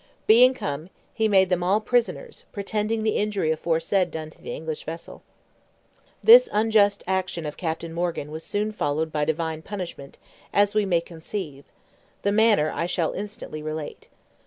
Being come, he made them all prisoners, pretending the injury aforesaid done to the English vessel. This unjust action of Captain Morgan was soon followed by Divine punishment, as we may conceive: the manner I shall instantly relate.